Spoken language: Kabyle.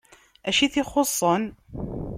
D acu i t-ixuṣṣen?